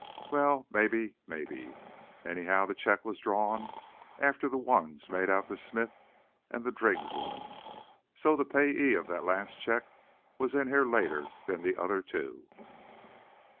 "Well, maybe, maybe. Anyhow the check was drawn after the ones made out to Smith and the Driggs woman. So, the payee of that last check was in here later than the other two."